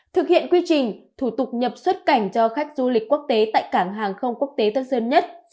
thực hiện quy trình thủ tục nhập xuất cảnh cho khách du lịch quốc tế tại cảng hàng không quốc tế tân sơn nhất